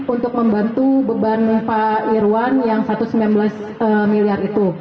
untuk membantu beban pak irwan yang satu ratus sembilan belas miliar itu